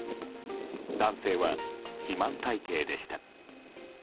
男性は、肥満体形でした。